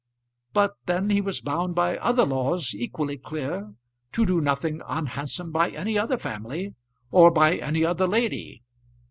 But then he was bound by other laws, equally clear, to do nothing unhandsome by any other family or by any other lady.